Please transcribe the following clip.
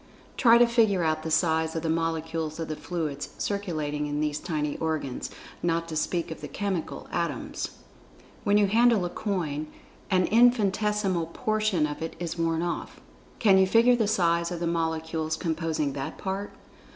Try to figure out the size of the molecules of the fluids circulating in these tiny organs, not to speak of the chemical atoms.[Pg 69] When you handle a coin, an infinitesimal portion of it is worn off—can you figure the size of the molecules composing that part?